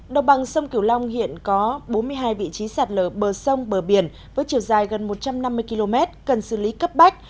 đồng bằng sông cửu long hiện có bốn mươi hai vị trí sạt lở bờ sông bờ biển với chiều dài gần một trăm năm mươi km cần xử lý cấp bách